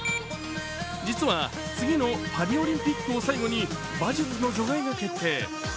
実は次のパリオリンピックを最後に馬術の除外が決定。